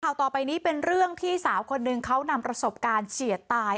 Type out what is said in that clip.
ต่อไปนี้เป็นเรื่องที่สาวคนหนึ่งเขานำประสบการณ์เฉียดตาย